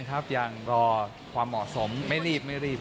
ยังครับยังก็ความเหมาะสมไม่รีบไม่รีบ